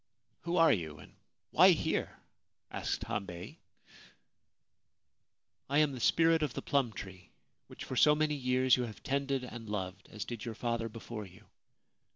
' Who are you, and why here ?' asked Hambei. * I am the Spirit of the Plum Tree, which for so many years you have tended and loved, as did your father before you.